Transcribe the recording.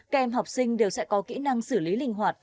các em học sinh đều sẽ có kỹ năng xử lý linh hoạt